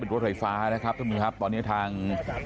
รถไฟฟ้านะครับท่านผู้ชมครับตอนนี้ทาง